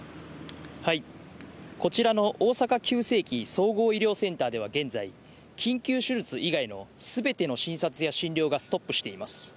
こちらの大阪急性期・総合医療センターでは現在、緊急手術以外のすべての診察や診療がストップしています。